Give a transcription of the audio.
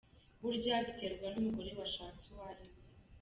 Burya biterwa n’umugore washatse uwo ariwe.